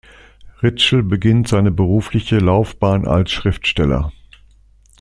Ritschl beginnt seine berufliche Laufbahn als Schriftsteller.